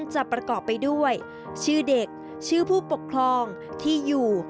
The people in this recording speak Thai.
ประกอบไปด้วยชื่อเด็กชื่อผู้ปกครองที่อยู่